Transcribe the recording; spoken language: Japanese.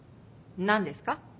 何ですか？